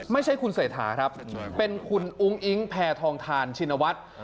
ไม่ใช่คุณเศรษฐาครับเป็นคุณอุ้งอิ๊งแพทองทานชินวัฒน์